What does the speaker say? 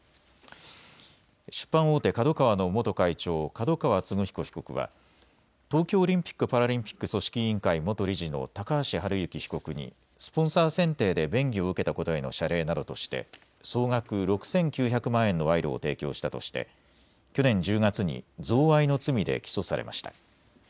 出版大手ＫＡＤＯＫＡＷＡの元会長、角川歴彦被告は東京オリンピック・パラリンピック組織委員会元理事の高橋治之被告にスポンサー選定で便宜を受けたことへの謝礼などとして総額６９００万円の賄賂を提供したとして去年１０月に贈賄の罪で起訴されました。